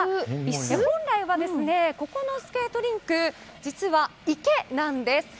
本来は、ここのスケートリンクは実は、池なんです。